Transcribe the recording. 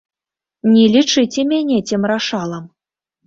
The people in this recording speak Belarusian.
Не лічыце мяне цемрашалам.